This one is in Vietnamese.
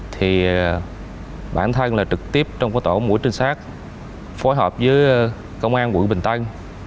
thì bản thân là trực tiếp trong tổ mũi trinh sát phối hợp với công an quận bình tân